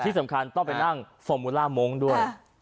ที่สำคัญต้องไปนั่งฟอร์มูล่ามงค์ด้วย